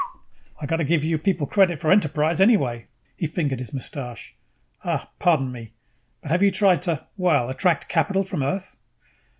"I got to give your people credit for enterprise, anyway!" He fingered his mustache. "Uh, pardon me, but have you tried to, well, attract capital from Earth?"